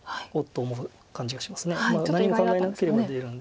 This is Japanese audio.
何も考えなければ出るんですけど。